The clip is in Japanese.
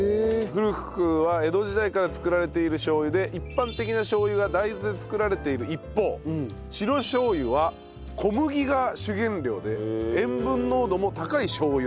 古くは江戸時代から作られているしょう油で一般的なしょう油が大豆で作られている一方白醤油は小麦が主原料で塩分濃度も高いしょう油だという。